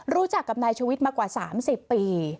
รู้จักกับนายชูวิทย์มากว่า๓๐ปี